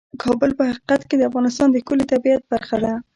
کابل په حقیقت کې د افغانستان د ښکلي طبیعت برخه ده.